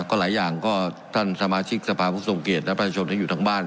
ก็หลายอย่างก็ท่านสมาชิกสภาผู้ทรงเกียจและประชาชนที่อยู่ทางบ้าน